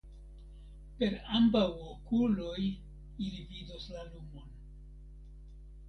Per ambaŭ okuloj ili vidos la lumon.